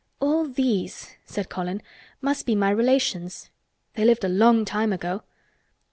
"All these," said Colin, "must be my relations. They lived a long time ago.